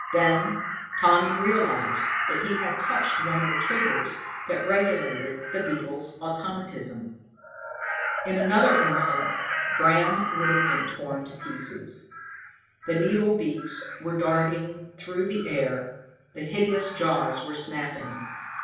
Then Tommy realized that he had touched one of the triggers that regulated the beetle's automatism. In another instant Bram would have been torn to pieces. The needle beaks were darting through the air, the hideous jaws were snapping.